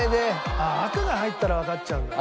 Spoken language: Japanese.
ああ赤が入ったらわかっちゃうんだね。